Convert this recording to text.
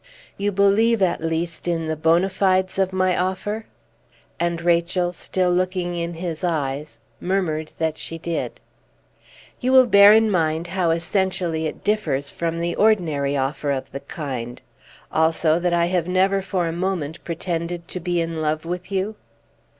"You believe, at least, in the bona fides of my offer?" And Rachel, still looking in his eyes, murmured that she did. "You will bear in mind how essentially it differs from the ordinary offer of the kind; also, that I have never for a moment pretended to be in love with you?"